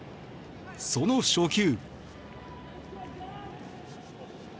その初球。